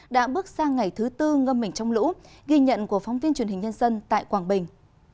đã bước sang ngày thứ tư ngâm mỉnh trong lũ ghi nhận của phóng viên truyền hình nhân dân tại quảng bình